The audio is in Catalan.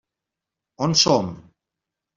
On som?